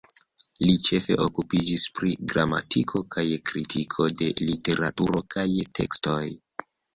Li ĉefe okupiĝis pri gramatiko kaj kritiko de literaturo kaj tekstoj.